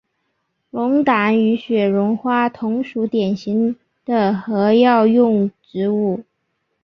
龙胆与雪绒花同属典型的和药用植物。